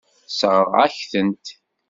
Tessṛeɣ-ak-tent.